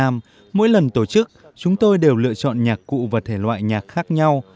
mỗi lần tổ chức chúng tôi đều lựa chọn nhạc cụ và thể loại nhạc khác nhau